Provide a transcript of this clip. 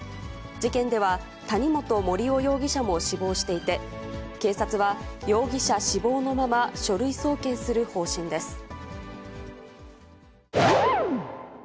事件では、谷本盛雄容疑者も死亡していて、警察は容疑者死亡のまま、書類送検する方針です。